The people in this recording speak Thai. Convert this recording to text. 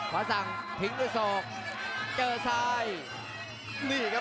หัวจิตหัวใจแก่เกินร้อยครับ